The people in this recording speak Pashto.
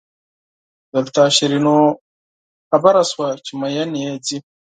دلته شیرینو خبره شوه چې مئین یې ځي.